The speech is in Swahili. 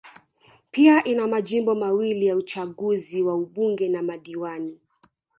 Pia ina majimbo mawili ya Uchaguzi wa ubunge na madiwani